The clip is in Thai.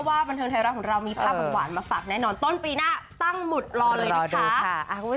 บันเทิงไทยรัฐของเรามีภาพหวานมาฝากแน่นอนต้นปีหน้าตั้งหมุดรอเลยนะคะ